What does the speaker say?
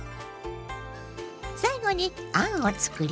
最後にあんをつくります。